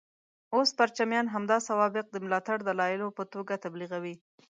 اوس پرچمیان همدا سوابق د ملاتړ دلایلو په توګه تبلیغوي.